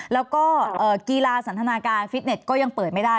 แล้วก็กีฬาสันทนาการฟิตเน็ตก็ยังเปิดไม่ได้